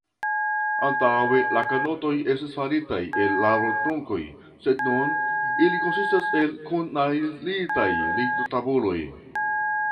Antaŭe la kanotoj estis faritaj el arbotrunkoj, sed nun ili konsistas el kunnajlitaj lignotabuloj.